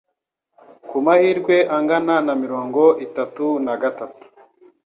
ku mahirwe angana na mirongo itatu na gatatu.